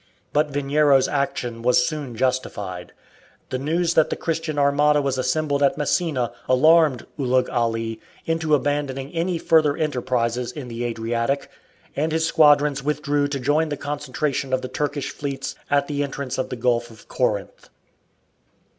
But Veniero's action was soon justified. The news that the Christian armada was assembled at Messina alarmed Ulugh Ali into abandoning any further enterprises in the Adriatic, and his squadrons withdrew to join the concentration of the Turkish fleets at the entrance of the Gulf of Corinth.